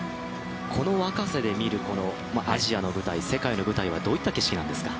この若さで見るアジアの舞台世界の舞台はどういった景色なんですか？